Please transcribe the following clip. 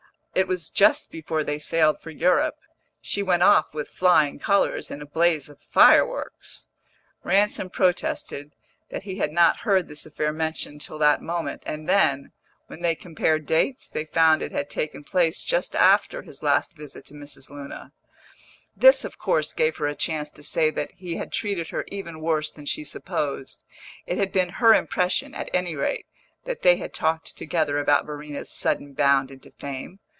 It was just before they sailed for Europe; she went off with flying colours, in a blaze of fireworks." Ransom protested that he had not heard this affair mentioned till that moment, and then, when they compared dates, they found it had taken place just after his last visit to Mrs. Luna. This, of course, gave her a chance to say that he had treated her even worse than she supposed; it had been her impression, at any rate, that they had talked together about Verena's sudden bound into fame.